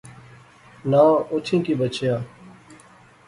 ناں اوتھیں کی بچیا